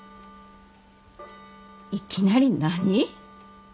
いきなり何？